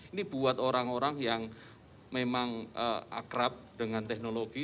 ini buat orang orang yang memang akrab dengan teknologi